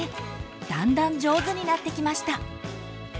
だんだん上手になってきました。